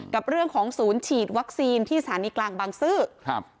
กับเรื่องของศูนย์ฉีดวัคซีนที่สถานีกลางบางซื่อครับ